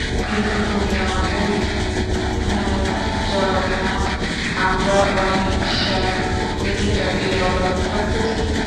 কিন্তু তুমি আমাদের জড়াবে না, আমরা অহিংসার নীতিটাকেই অব্যাহত রাখতে চাই।